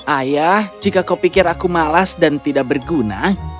ayah jika kau pikir aku malas dan tidak berguna